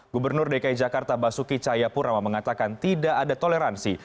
gubernur dki jakarta basuki cahayapurama mengatakan tidak ada toleransi